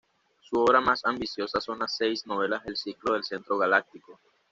Su obra más ambiciosa son las seis novelas del Ciclo del Centro Galáctico.